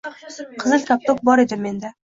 Qizil koptok bor edi menda